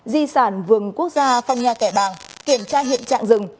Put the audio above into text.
di sản vườn quốc gia phong nha kẻ bàng kiểm tra hiện trạng rừng